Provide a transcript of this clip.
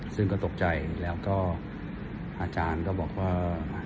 ซึ่งก็ตกใจแล้วก็อาจารย์ก็บอกว่า